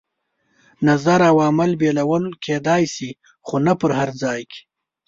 نظر او عمل بېلولو کېدای شي، خو نه په هر ځای کې.